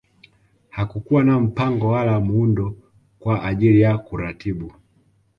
Hakukuwa na mpango wala muundo kwa ajili ya kuratibu